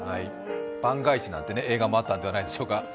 「番外地」なんて映画もあったのではないでしょうか。